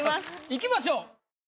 いきましょう。